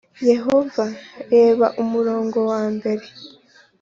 Yehova reba umurongo wa mbere